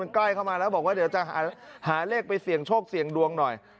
ใกล้เข้ามาแล้วบอกว่าเดี๋ยวจะหาเลขไปเสี่ยงโชคเสี่ยงดวงหน่อย